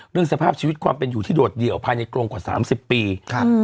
สภาพชีวิตความเป็นอยู่ที่โดดเดี่ยวภายในกรงกว่าสามสิบปีครับ